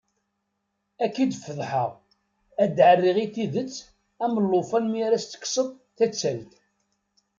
Ad k-id-feḍḥeɣ, ad ɛerriɣ i tidet am llufan mi ara s-tekkseḍ tattalt.